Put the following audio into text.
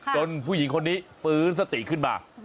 ผู้หญิงคนนี้ฟื้นสติขึ้นมา